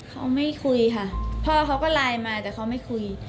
เขาไม่คุยค่ะพ่อเขาก็ไลน์มาแต่เขาไม่คุย